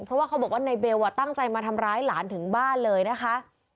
เพราะว่าเขาบอกว่าในเบลตั้งใจมาทำร้ายหลานถึงบ้านเลยนะคะ